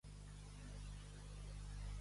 Qui pledeja no assossega.